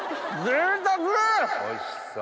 おいしそう。